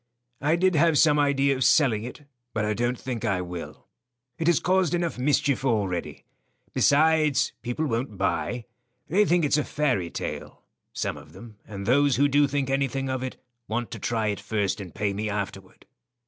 "I did have some idea of selling it, but I don't think I will. It has caused enough mischief already. Besides, people won't buy. They think it's a fairy tale; some of them, and those who do think anything of it want to try it first and pay me afterward."